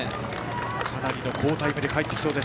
かなりの好タイムで帰ってきそうです。